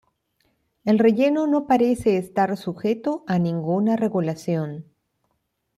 El relleno no parece estar sujeto a ninguna regulación.